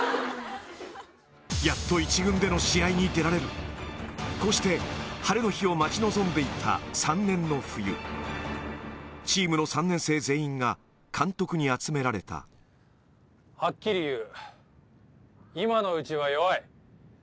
やっと１軍での試合に出られるこうして晴れの日を待ち望んで行ったチームの３年生全員が監督に集められたそこで。